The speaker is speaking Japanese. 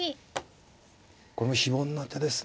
これも非凡な手ですね。